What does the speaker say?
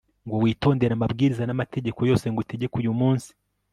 ngo witondere amabwiriza n amategeko yose ngutegeka uyu munsi